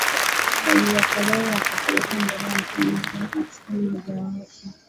waliokolewa wakapelekwa mbele ya mfalme kule Aksum Mmojawao kwa